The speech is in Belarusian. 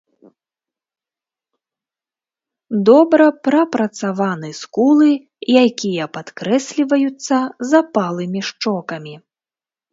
Добра прапрацаваны скулы, якія падкрэсліваюцца запалымі шчокамі.